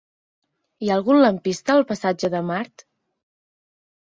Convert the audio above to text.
Hi ha algun lampista al passatge de Mart?